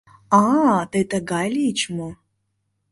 — А-а, тый тыгай лийыч мо?..